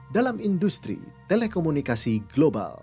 dalam industri telekomunikasi global